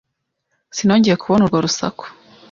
Sinongeye kubona urwo rusaku.